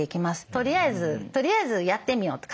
とりあえずとりあえずやってみようと。